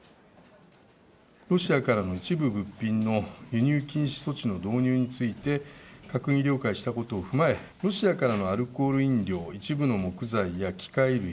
ロシアからの一部物品の輸入禁止措置の導入について、閣議了解したことを踏まえ、ロシアからのアルコール飲料、一部の木材や機械類、